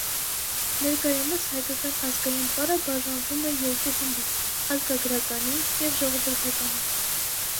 Ներկայումս հայկական ազգային պարը բաժանվում է երկու խմբի՝ ազգագրականի և ժողովրդականի։